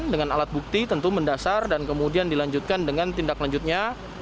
dengan alat bukti tentu mendasar dan kemudian dilanjutkan dengan tindak lanjutnya